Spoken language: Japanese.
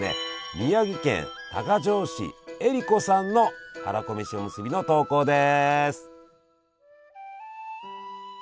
宮城県多賀城市えりこさんのはらこめしおむすびの投稿です。